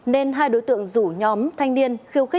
nên hai đối tượng rủi